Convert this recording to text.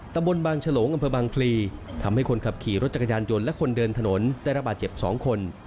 ตำบลบางฉลงอำเภอบางพลีทำให้คนขับขี่รถจักรยานยนต์และคนเดินถนนได้รับบาดเจ็บ๒คน